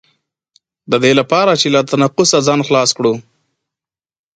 د دې لپاره چې له تناقضه ځان خلاص کړو.